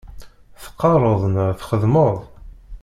Teqqareḍ neɣ txeddmeḍ?